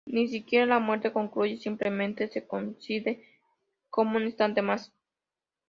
Ni siquiera la muerte concluye, simplemente se concibe como un instante más.